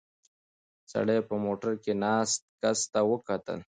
سړي په موټر کې ناست کس ته وکتل.